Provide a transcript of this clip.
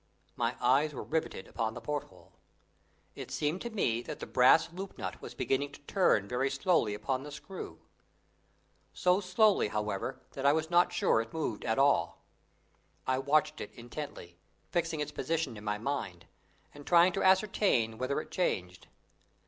My eyes were riveted upon the porthole. It seemed to me that the brass loop nut was beginning to turn very slowly upon the screw so slowly, however, that I was not sure it moved at all. I watched it intently, fixing its position in my mind, and trying to ascertain whether it changed.